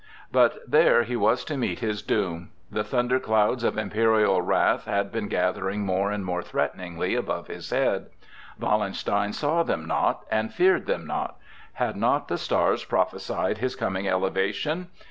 But there he was to meet his doom. The thunderclouds of imperial wrath had been gathering more and more threateningly above his head. Wallenstein saw them not and feared them not. Had not the stars prophesied his coming elevation?